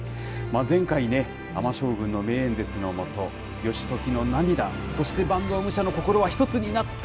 前回ね、尼将軍の名演説の下、義時の涙、そして、坂東武者の心は一つになった。